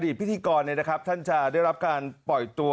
พิธีกรท่านจะได้รับการปล่อยตัว